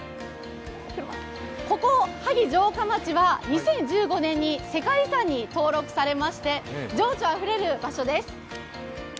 ここ萩城下町は２０１５年に世界遺産に登録されまして情緒あふれる場所です。